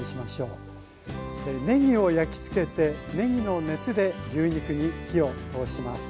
ねぎを焼きつけてねぎの熱で牛肉に火を通します。